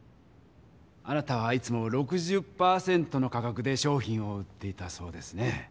あなたはいつも６０％の価格で商品を売っていたそうですね。